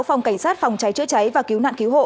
phòng cảnh sát phòng cháy chữa cháy và cứu nạn cứu hộ